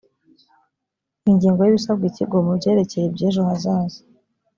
ingingo y’ibisabwa ikigo mu byerekeye byejo hazaza